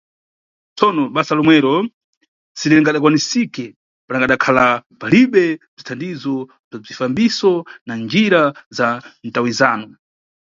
Tsono basa lomwero si lingadakwanisike pangadakhala palibe bzithandizo bza bzifambiso na njira za mtawizano.